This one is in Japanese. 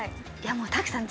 もう滝さん